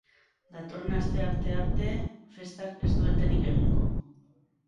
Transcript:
Datorren asteartea arte festak ez du etenik egingo.